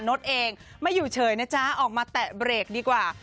ดเองไม่อยู่เฉยนะจ๊ะออกมาแตะเบรกดีกว่า